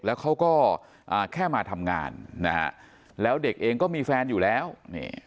แล้วเขาก็อ่าแค่มาทำงานนะฮะแล้วเด็กเองก็มีแฟนอยู่แล้วนี่